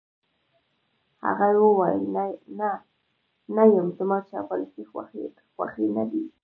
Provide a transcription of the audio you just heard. هغې وویل: نه، نه یم، زما چاپلوسۍ خوښې نه دي.